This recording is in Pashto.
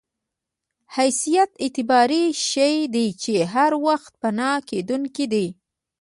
حیثیت اعتباري شی دی چې هر وخت پناه کېدونکی دی.